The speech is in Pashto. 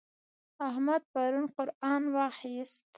احمد پرون قرآن واخيست.